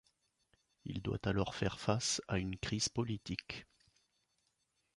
Il doit alors faire face à une crise politique.